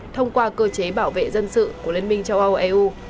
thông qua cơ chế bảo vệ dân sự của liên minh châu âu eu